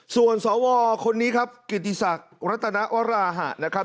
ส่วนสวคนนี้ครับกิติศักดิ์รัตนวราหะนะครับ